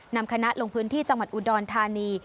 นำคณะลงพื้นที่จังหวัดอุดรธานี